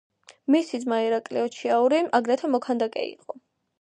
მისი ძმა ირაკლი ოჩიაური აგრეთვე მოქანდაკე იყო.